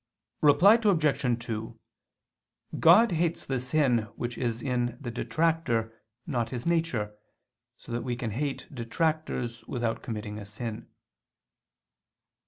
Reply Obj. 2: God hates the sin which is in the detractor, not his nature: so that we can hate detractors without committing a sin.